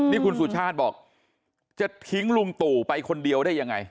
นี่คุณสุชาติบอกจะทิ้งลุงตู่ไปคนเดียวได้ยังไง